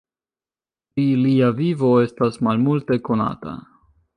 Pri lia vivo estas malmulte konata.